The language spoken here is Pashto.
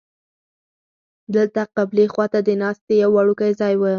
دلته قبلې خوا ته د ناستې یو وړوکی ځای و.